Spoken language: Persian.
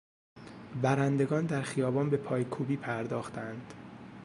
برندگان در خیابان به پایکوبی پرداختند.